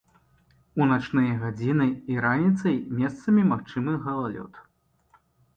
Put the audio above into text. У начныя гадзіны і раніцай месцамі магчымы галалёд.